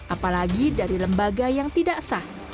apalagi dari lembaga yang tidak sah